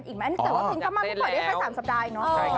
นี่ก็เพลงจำม่ำท่อปกฏก็ได้แค่๓สัปดาห์อีกนะ